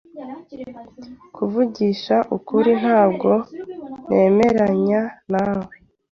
Kuvugisha ukuri, ntabwo nemeranya nawe.